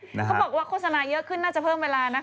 เขาบอกว่าโฆษณาเยอะขึ้นน่าจะเพิ่มเวลานะคะ